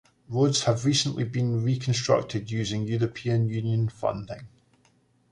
Roads have recently been reconstructed using European Union funding.